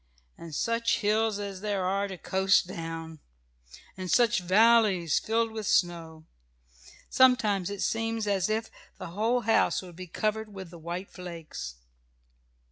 And such hills as there are to coast down! and such valleys filled with snow! Sometimes it seems as if the whole house would be covered with the white flakes.